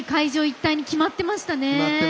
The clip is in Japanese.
一体に決まってましたね。